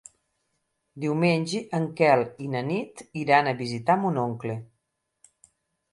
Diumenge en Quel i na Nit iran a visitar mon oncle.